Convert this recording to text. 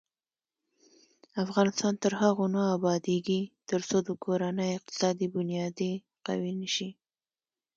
افغانستان تر هغو نه ابادیږي، ترڅو د کورنۍ اقتصادي بنیادي قوي نشي.